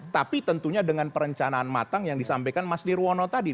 tapi tentunya dengan perencanaan matang yang disampaikan mas nirwono tadi